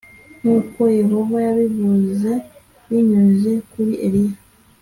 nkuko yehova yabivuze binyuze kuri eliya